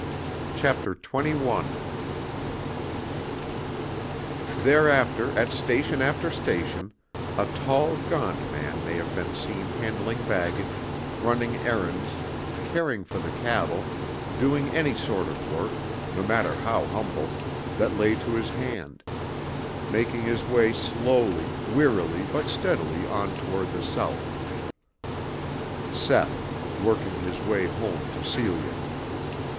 CHAPTER XXI. Thereafter at station after station, a tall, gaunt man may have been seen handling baggage, running errands, caring for the cattle, doing any sort of work, no matter how humble, that lay to his hand, making his way slowly, wearily but steadily on toward the South. Seth, working his way home to Celia.